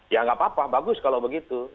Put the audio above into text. ya nggak apa apa bagus kalau begitu